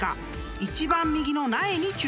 ［一番右の苗に注目］